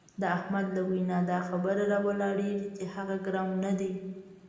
د احمد له وینا دا خبره را ولاړېږي چې هغه ګرم نه دی.